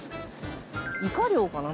イカ漁かな？